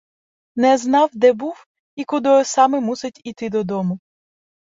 Не знав, де був і кудою саме мусить іти додому.